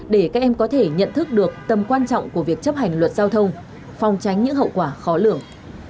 để các em có thể nhận thức được tầm quan trọng của việc chấp hành luật giao thông phòng tránh những hậu quả khó lượng